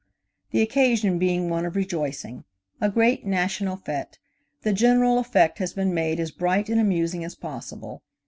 The occasion being one of rejoicing–a great national fête, the general effect has been made as bright and amusing as possible.